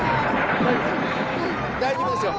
大丈夫ですよ。